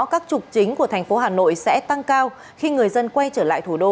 các trục chính của thành phố hà nội sẽ tăng cao khi người dân quay trở lại thủ đô